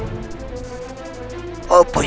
itu bukan begitu